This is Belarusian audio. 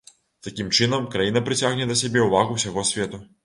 Такім чынам, краіна прыцягне да сябе ўвагу ўсяго свету.